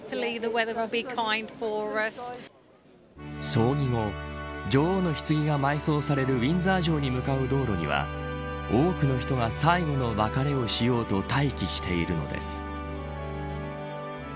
葬儀後女王のひつぎが埋葬されるウィンザー城に向かう道路には多くの人が、最後の別れをしようと待機しているのです。